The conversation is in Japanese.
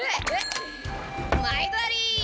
毎度あり！